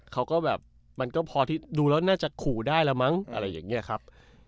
เขาก็แบบมันก็พอที่ดูแล้วน่าจะขู่ได้แล้วมั้งอะไรอย่างนี้ครับ